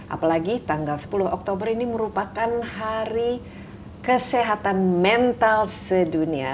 apalagi tanggal sepuluh oktober ini merupakan hari kesehatan mental sedunia